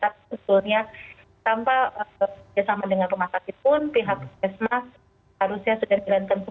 tapi sebetulnya tanpa kerjasama dengan rumah sakit pun pihak sma harusnya sudah dilakukan suku